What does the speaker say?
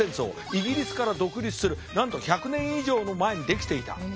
イギリスから独立するなんと１００年以上も前にできていた。